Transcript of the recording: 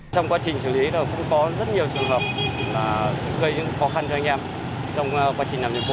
trong quá trình xử lý cũng có rất nhiều trường hợp gây những khó khăn cho anh em trong quá trình làm nhiệm vụ